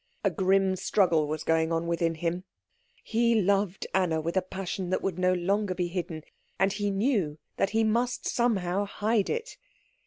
A grim struggle was going on within him. He loved Anna with a passion that would no longer be hidden; and he knew that he must somehow hide it.